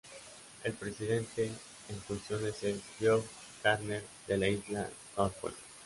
El presidente en funciones es Geoff Gardner de la Isla Norfolk.